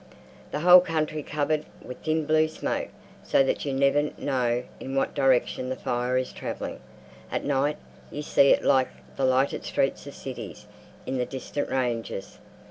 The whole country covered with thin blue smoke so that you never know in what direction the fire is travelling. At night you see it like the lighted streets of cities, in the distant ranges.